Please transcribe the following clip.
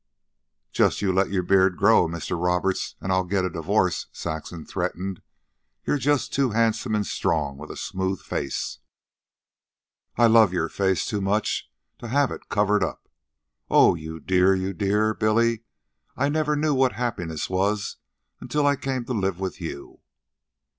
"Just you let your beard grow, Mister Roberts, and I'll get a divorce," Saxon threatened. "You're just too handsome and strong with a smooth face. I love your face too much to have it covered up. Oh, you dear! you dear! Billy, I never knew what happiness was until I came to live with you."